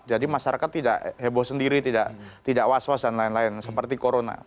jadi masyarakat tidak heboh sendiri tidak was was dan lain lain seperti corona